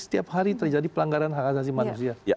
setiap hari terjadi pelanggaran hak asasi manusia